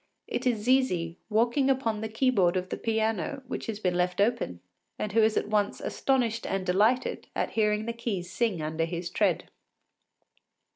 It is Zizi walking upon the key board of the piano which has been left open, and who is at once astonished and delighted at hearing the keys sing under his tread.